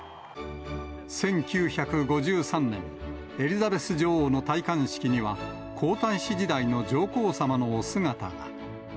１９５３年、エリザベス女王の戴冠式には、皇太子時代の上皇さまのお姿が。